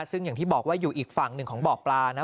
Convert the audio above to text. ซึ่งอย่างที่บอกว่าอยู่อีกฝั่งหนึ่งของบ่อปลานะ